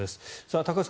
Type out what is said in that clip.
高橋さん